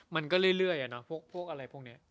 มันก็เรื่อยอะเนาะพวกอะไรพวกเนี้ย